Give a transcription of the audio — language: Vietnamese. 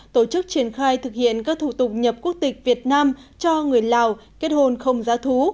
tổ chức triển khai thực hiện các thủ tục nhập quốc tịch việt nam cho người lào kết hôn không giá thú